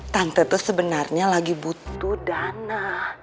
tante itu sebenarnya lagi butuh dana